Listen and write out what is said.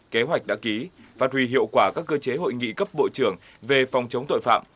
kế hoạch đã ký phát huy hiệu quả các cơ chế hội nghị cấp bộ trưởng về phòng chống tội phạm